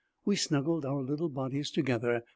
We snuggled our little bodies together.